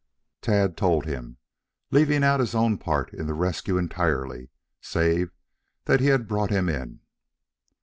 Tad told him, leaving out his own part in the rescue entirely, save that he had brought him in.